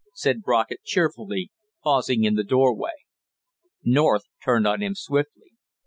said Brockett cheerfully, pausing in the doorway. North turned on him swiftly.